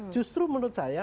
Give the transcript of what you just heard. justru menurut saya